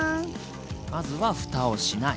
まずはふたをしない。